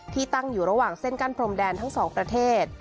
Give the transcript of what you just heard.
ตั้งอยู่ระหว่างเส้นกั้นพรมแดนทั้งสองประเทศ